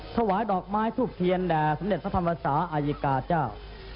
ถวายดอกไม้ทุกข์เทียนแด่สำเด็ดพระธรรมวษาอายกาเจ้า